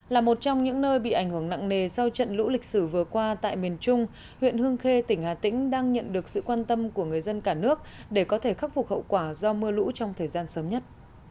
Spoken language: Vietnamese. là một trong những nơi bị ảnh hưởng nặng nề sau trận lũ lịch sử vừa qua tại miền trung huyện hương khê tỉnh hà tĩnh đang nhận được sự quan tâm của người dân cả nước để có thể khắc phục hậu quả do mưa lũ trong thời gian sớm nhất